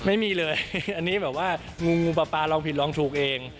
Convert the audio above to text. ไม่มีเลยอันนี้แบบว่างูปลาปลาลองผิดลองถูกเอง